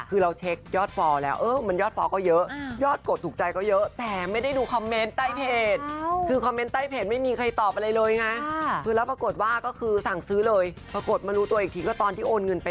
เราด้วยความสะพาวของเราเองละ